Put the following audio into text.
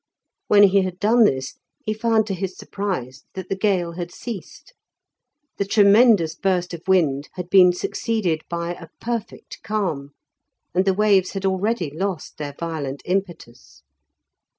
When he had done this, he found to his surprise that the gale had ceased. The tremendous burst of wind had been succeeded by a perfect calm, and the waves had already lost their violent impetus.